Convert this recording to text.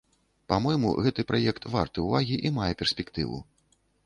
Па-мойму, гэты праект варты ўвагі і мае перспектыву.